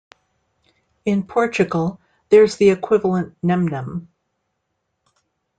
In Portugal, there's the equivalent "nem-nem".